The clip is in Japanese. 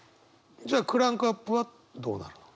じゃあクランクアップはどうなの？